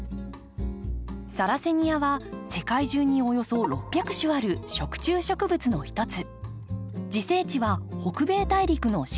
サラセニアは世界中におよそ６００種ある食虫植物の一つ。